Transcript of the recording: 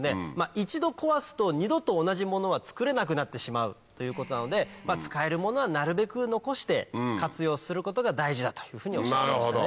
一度壊すと二度と同じものは造れなくなってしまうということなので使えるものはなるべく残して活用することが大事だというふうにおっしゃってましたね。